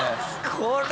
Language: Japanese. これ。